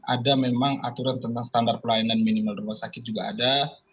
ada memang aturan tentang standar pelayanan minimal rumah sakit juga ada